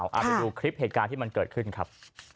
เอาไปดูคลิปเหตุการณ์ที่มันเกิดขึ้นครับ